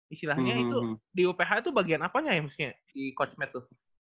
istilahnya itu di uph itu bagian apanya ya misalnya si kosmet tuh